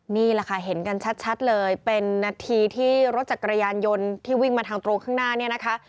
นี่แหละค่ะเห็นกันชัดเลยเป็นนาทีที่รถจักรยานยนต์ที่วิ่งมาทางตรงข้างหน้าเนี่ยนะคะ